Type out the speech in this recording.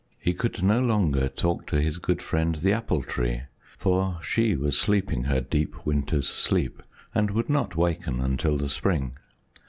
He could no longer talk to his good friend, the Apple Tree, for she was sleeping her deep winter's sleep and would not waken until the spring.